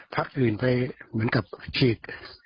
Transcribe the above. พักอื่นไปเหมือนกับฉีด